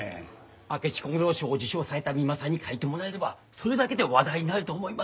明智小五郎賞を受賞された三馬さんに書いてもらえればそれだけで話題になると思います。